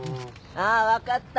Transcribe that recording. ああわかった。